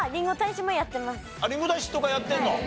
りんご大使とかやってるの？